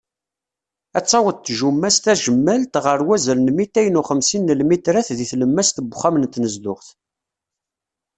Ad taweḍ tjumma-s tajemmalt ɣer wazal n mitayen uxemsin n lmitrat di tlemmast n uxxam n tnezduɣt.